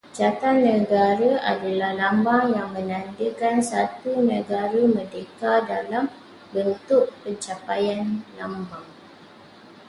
Jata negara adalah lambang yang menandakan satu negara merdeka dalam bentuk pencapaian lambang